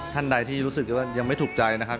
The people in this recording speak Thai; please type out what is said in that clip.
ท่านใดที่รู้สึกว่ายังไม่ถูกใจนะครับ